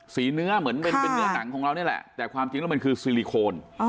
เนื้อเหมือนเป็นเนื้อหนังของเรานี่แหละแต่ความจริงแล้วมันคือซิลิโคน